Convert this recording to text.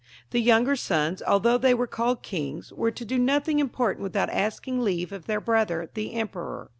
The younger sons, although they were called kings, were to do nothing important without asking leave of their brother, the emperor.